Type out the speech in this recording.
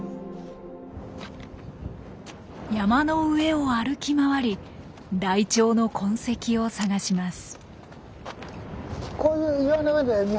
山の上を歩き回りライチョウの痕跡を探します。